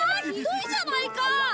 ひどいじゃないか！